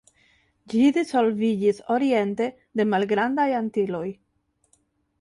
Ĝi disvolviĝis oriente de Malgrandaj Antiloj.